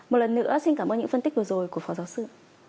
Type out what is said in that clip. một lần nữa xin cảm ơn những phân tích vừa rồi của phó giáo sư